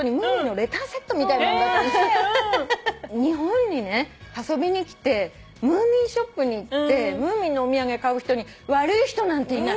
日本にね遊びに来てムーミンショップに行ってムーミンのお土産買う人に悪い人なんていない。